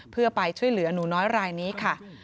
เพื่อไปช่วยเหลือหนูน้อยรายนี้ค่ะ